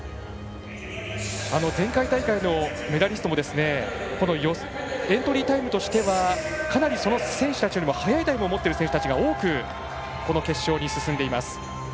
前回大会のメダリストもエントリータイムとしてはかなりその選手たちよりも早いタイムを持っている選手たちが多く決勝に進んでいます。